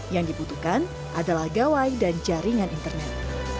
yang dibutuhkan adalah gawai dan jaringan internet